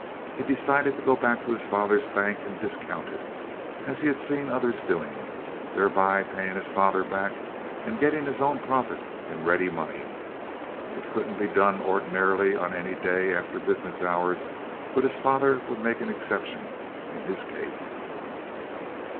He decided to go back to his father's bank and discount it, as he had seen others doing, thereby paying his father back and getting his own profit in ready money. It couldn't be done ordinarily on any day after business hours; but his father would make an exception in his case.